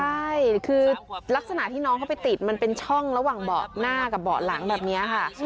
ใช่คือลักษณะที่น้องเขาไปติดมันเป็นช่องระหว่างเบาะหน้ากับเบาะหลังแบบนี้ค่ะ